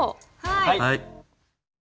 はい。